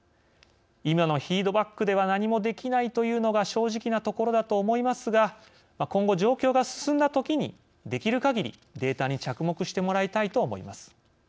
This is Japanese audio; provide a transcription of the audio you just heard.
今のフィードバックでは何もできないというのが正直なところだと思いますが今後、状況が進んだときにできるかぎり、データに着目してもらいたいと思います。